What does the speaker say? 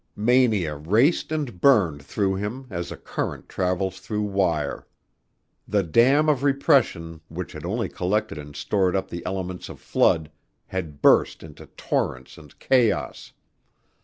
Mania raced and burned through him as a current travels through wire. The dam of repression which had only collected and stored up the elements of flood had burst into torrents and chaos.